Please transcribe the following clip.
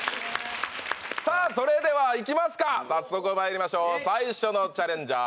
さあそれではいきますか早速まいりましょう最初のチャレンジャー